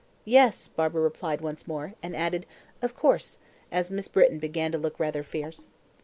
"Yes," Barbara replied once more, and added, "of course," as Miss Britton began to look rather fierce.